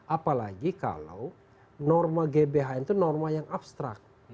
apalagi kalau norma gbhn itu norma yang abstrak